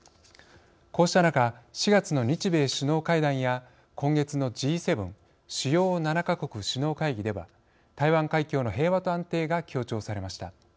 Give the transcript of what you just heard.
こうした中４月の日米首脳会談や今月のＧ７＝主要７か国首脳会議では台湾海峡の平和と安定が強調されました。